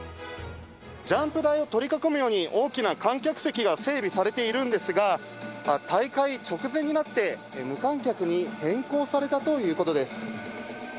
ジャンプ台を取り囲むように、大きな観客席が整備されているんですが、大会直前になって、無観客に変更されたということです。